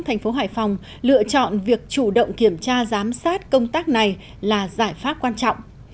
thành phố hải phòng lựa chọn việc chủ động kiểm tra giám sát công tác này là giải pháp quan trọng